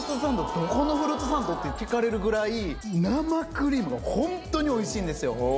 どこのフルーツサンド？」って聞かれるぐらい生クリームが本当においしいんですよ。